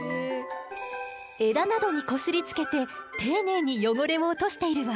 枝などにこすりつけて丁寧に汚れを落としているわ。